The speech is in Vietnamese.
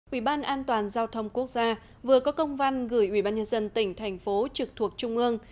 quỹ ban an toàn giao thông quốc gia vừa có công văn gửi quỹ ban nhân dân tỉnh thành phố trực thuộc trung ương